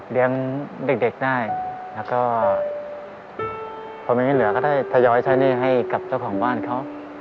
เพราะไม่งั้นเหลือก็ได้ทยอยใช้หนี้ให้กับเจ้าของบ้านเขา